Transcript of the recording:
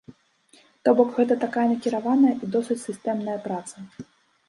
То бок, гэта такая накіраваная і досыць сістэмная праца.